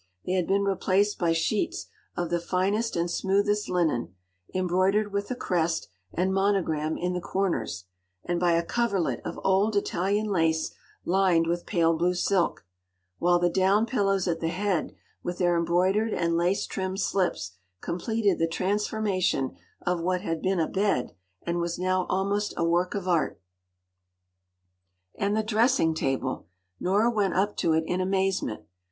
They had been replaced by sheets ‘of the finest and smoothest linen, embroidered with a crest and monogram in the corners, and by a coverlet of old Italian lace lined with pale blue silk; while the down pillows at the head with their embroidered and lace trimmed slips completed the transformation of what had been a bed, and was now almost a work of art. And the dressing table! Nora went up to it in amazement.